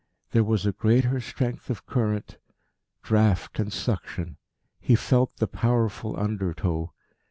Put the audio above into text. There was a greater strength of current, draught and suction. He felt the powerful undertow.